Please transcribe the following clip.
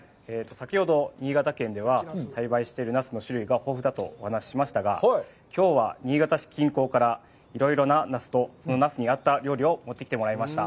先ほど新潟県では栽培してるナスの種類が豊富だとお話ししましたが、きょうは新潟市近郊からいろいろなナスと、そのナスに合った料理を持ってきてもらいました。